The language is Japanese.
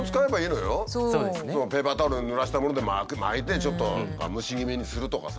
ペーパータオルぬらしたもので巻いてちょっと蒸し気味にするとかさ。